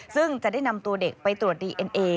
ซึ่งจะได้นำตัวเด็กไปตรวจดีเอ็นเอ